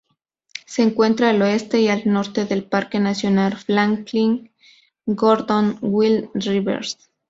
Se encuentra al oeste y al norte del Parque Nacional Franklin-Gordon Wild Rivers.